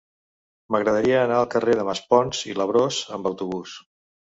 M'agradaria anar al carrer de Maspons i Labrós amb autobús.